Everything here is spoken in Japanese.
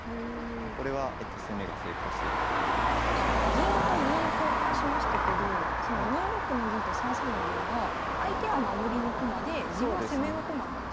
銀と銀交換しましたけど２六の銀と３三の銀が相手は守りの駒で自分は攻めの駒なんですね？